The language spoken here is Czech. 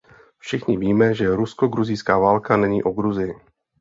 Všichni víme, že rusko-gruzínská válka není o Gruzii.